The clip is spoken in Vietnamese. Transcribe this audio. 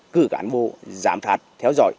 cử cán bộ giám thạt theo dõi